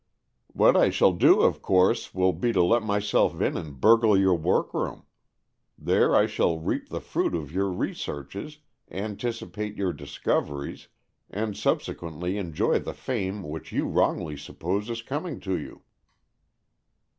" What I shall do of course will be to let myself in and burgle your workroom. There I shall reap the fruit of your re searches, anticipate your discoveries, and subsequently enjoy the fame which you wrongly suppose is coming to you."